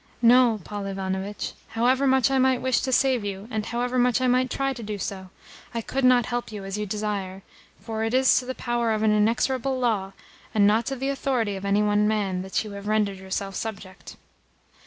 "No, Paul Ivanovitch; however much I might wish to save you, and however much I might try to do so, I could not help you as you desire; for it is to the power of an inexorable law, and not to the authority of any one man, that you have rendered yourself subject."